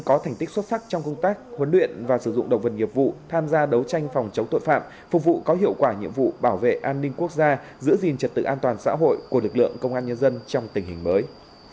có thành tích xuất sắc trong công tác huấn luyện và sử dụng động vật nghiệp vụ tham gia đấu tranh phòng chống tội phạm phục vụ có hiệu quả nhiệm vụ bảo vệ an ninh quốc gia giữ gìn trật tự an toàn xã hội của lực lượng công an nhân dân trong tình hình mới